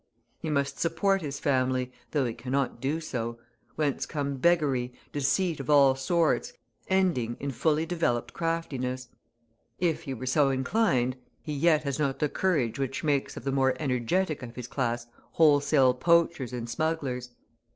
He must support his family, though he cannot do so, whence come beggary, deceit of all sorts, ending in fully developed craftiness. If he were so inclined, he yet has not the courage which makes of the more energetic of his class wholesale poachers and smugglers.